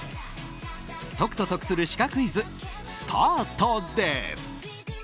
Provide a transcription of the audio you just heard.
解くと得するシカクイズスタートです。